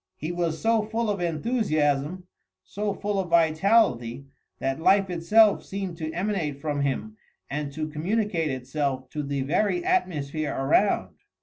He was so full of enthusiasm, so full of vitality, that life itself seemed to emanate from him and to communicate itself to the very atmosphere around.